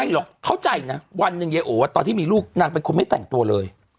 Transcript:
หรอกเข้าใจนะวันหนึ่งยายโอตอนที่มีลูกนางเป็นคนไม่แต่งตัวเลย